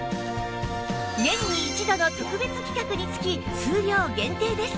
年に一度の特別企画につき数量限定です。